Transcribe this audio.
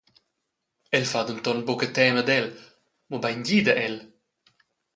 El fa denton buca tema ad el, mobein gida el.